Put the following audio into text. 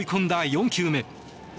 ４球目。